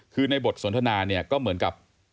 คือในบทสนทนาเนี่ยก็เหมือนกับ